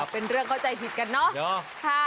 เป็นเรื่องเข้าใจผิดกันเนอะ